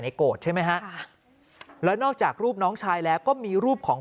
โกรธใช่ไหมฮะแล้วนอกจากรูปน้องชายแล้วก็มีรูปของ